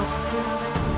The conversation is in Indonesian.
agar semuanya terbaik